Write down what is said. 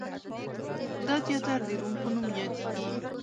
دا تیاتر د روم په نوم یادیږي.